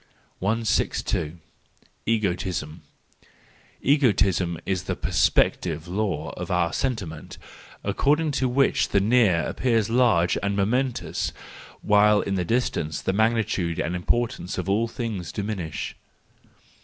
162. Egoism .—Egoism is the perspective law of our sentiment, according to which the near appears large and momentous, while in the distance the magnitude and importance of all things diminish.